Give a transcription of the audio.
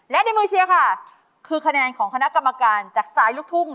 และในมือเชียร์ค่ะคือคะแนนของคณะกรรมการจากสายลูกทุ่ง